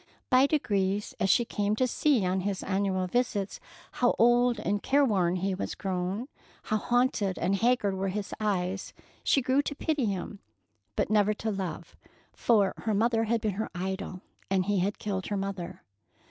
By degrees, as she came to see on his annual visits how old and careworn he was grown, how haunted and haggard were his eyes, she grew to pity him, but never to love, for her mother had been her idol, and he had killed her mother.